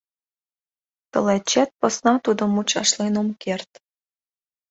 Тылечет посна тудым мучашлен ом керт.